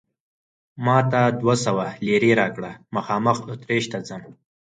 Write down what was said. ما ته دوه سوه لیرې راکړه، مخامخ اتریش ته ځم.